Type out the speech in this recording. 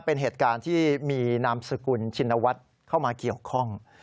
เป็นเหตุการณ์ที่มีนามสกุลชินวัฒน์เข้ามาเกี่ยวข้อง